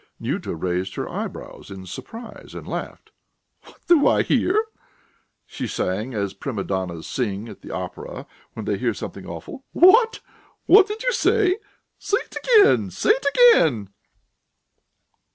Nyuta raised her eyebrows in surprise, and laughed. "What do I hear?" she sang, as prima donnas sing at the opera when they hear something awful. "What? What did you say? Say it again, say it again...."